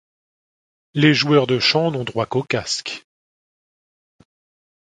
Les joueurs de champs n'ont droit qu'au casque.